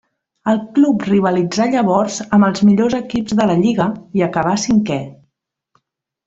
El club rivalitzà llavors amb els millors equips de la lliga i acabà cinquè.